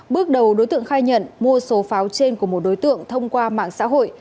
bước đầu đối tượng khai nhận mua số pháo trên của một đối tượng thông qua mạng xã hội